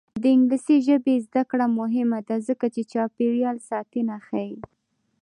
د انګلیسي ژبې زده کړه مهمه ده ځکه چې چاپیریال ساتنه ښيي.